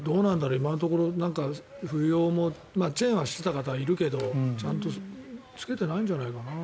今のところ冬用もチェーンはしてた方はいるけどちゃんとつけてないんじゃないかな。